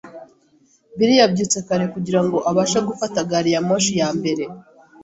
Bill yabyutse kare kugirango abashe gufata gari ya moshi ya mbere.